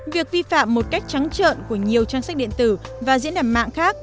việc vi phạm một cách trắng trợn của nhiều trang sách điện tử và diễn đàn mạng khác